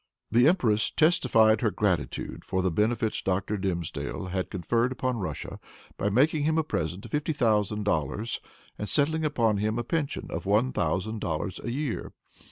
The empress testified her gratitude for the benefits Dr. Dimsdale had conferred upon Russia by making him a present of fifty thousand dollars, and settling upon him a pension of one thousand dollars a year.